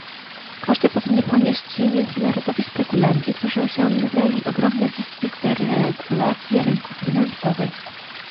Koszty powinni ponieść ci międzynarodowi spekulanci, którzy osiągnęli ogromne zyski z deregulacji rynków finansowych